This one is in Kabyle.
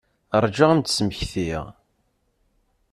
Rju ad m-d-smektiɣ.